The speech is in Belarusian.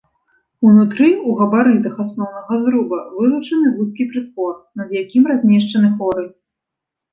Унутры ў габарытах асноўнага зруба вылучаны вузкі прытвор, над якім размешчаны хоры.